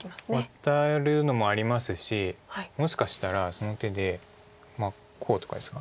ワタるのもありますしもしかしたらその手でこうとかですか。